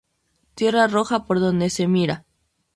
Tierra roja por donde se mira.